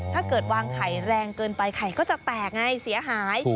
ถ้าเกิดวางไข่แรงเกินไปไข่ก็จะแตกไงเสียหาย